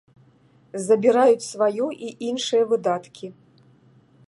Забіраюць сваё і іншыя выдаткі.